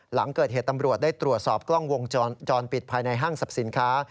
หลังเกิดเหตุตำรวจได้ตรวจสอบกล้องวงจรปิดภายในห้างสรรพสินค้า